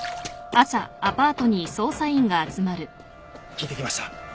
聞いてきました。